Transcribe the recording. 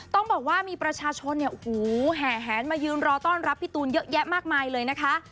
ต้องบอกว่ามีประชาชนเนี่ยโอ้โหแห่แหนมายืนรอต้อนรับพี่ตูนเยอะแยะมากมายเลยนะคะ